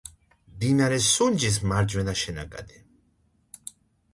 მდინარე სუნჯის მარჯვენა შენაკადი.